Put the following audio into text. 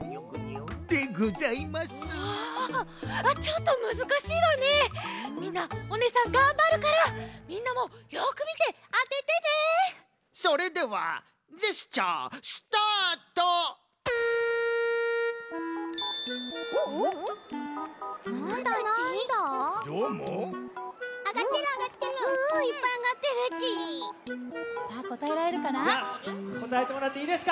こたえてもらっていいですか？